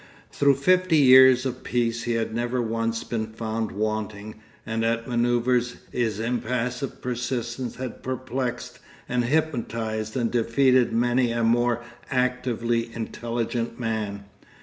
Through fifty years of peace he had never once been found wanting, and at manœuvres his impassive persistence had perplexed and hypnotised and defeated many a more actively intelligent man.